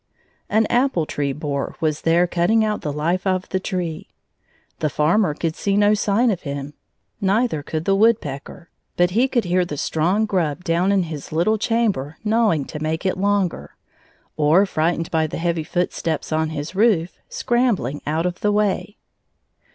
An apple tree borer was there cutting out the life of the tree. The farmer could see no sign of him; neither could the woodpecker, but he could hear the strong grub down in his little chamber gnawing to make it longer, or, frightened by the heavy footsteps on his roof, scrambling out of the way.